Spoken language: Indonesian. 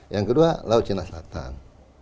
yang kedua laut cina selatan